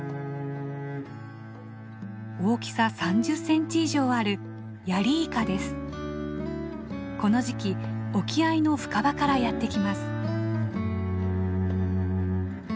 大きさ３０センチ以上あるこの時期沖合の深場からやって来ます。